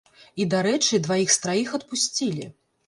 І, дарэчы, дваіх з траіх адпусцілі!